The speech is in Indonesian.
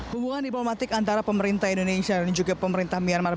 hubungan diplomatik antara pemerintah indonesia dan juga pemerintah myanmar